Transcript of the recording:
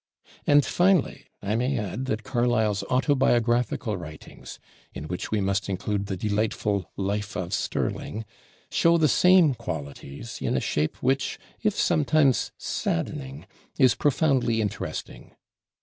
And finally, I may add that Carlyle's autobiographical writings in which we must include the delightful 'Life of Sterling' show the same qualities in a shape which, if sometimes saddening, is profoundly interesting.